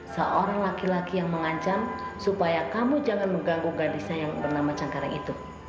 seorang laki laki yang mengancam supaya kamu jangan mengganggu gadisnya yang bernama cangkareng itu